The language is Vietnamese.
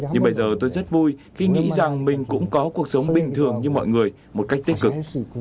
nhưng bây giờ tôi rất vui khi nghĩ rằng mình cũng có cuộc sống bình thường như mọi người một cách tích cực